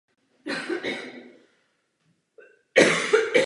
Již během studií na vysoké škole se aktivně zapojoval do práce různých periodik.